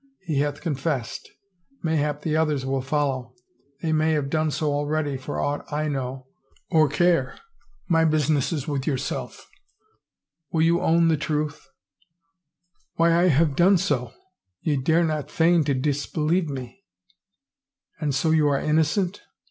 He hath confessed; mayhap the others will follow — they may have so done already for aught I know or care. My business is with yourself. Will you own the truth ?" 34 339 it THE FAVOR OF KINGS " Why I have done so. Ye dare not feign to disbe lieve me." " And so you are innocent